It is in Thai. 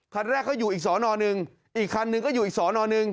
คันแรกเขาอยู่อีกสอนอหนึ่งอีกคันหนึ่งก็อยู่อีกสอนอหนึ่ง